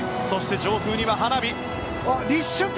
そして上空には花火！